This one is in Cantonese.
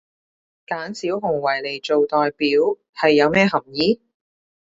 揀小熊維尼做代表係有咩含意？